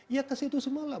ya kesitu semuanya